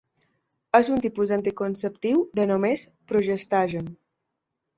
És un tipus d'anticonceptiu de només progestagen.